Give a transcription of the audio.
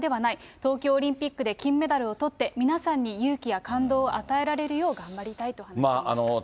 東京オリンピックで金メダルをとって、皆さんに勇気や感動を与えられるよう頑張りたいと話していました。